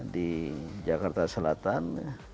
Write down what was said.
di jakarta selatan